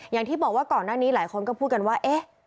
อย่างที่บอกว่าก่อนหน้านี้หลายคนก็พูดกันว่าเอ๊ะ